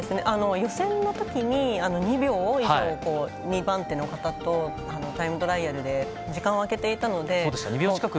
予選のときに２秒以上、２番手の方とタイムトライアルで時間を開けていたので。